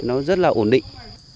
nó rất là ổn định